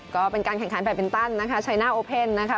ก็เป็นการแข่งขันแบตมินตันนะคะชัยหน้าโอเพ่นนะคะ